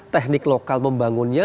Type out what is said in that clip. teknik lokal membangunnya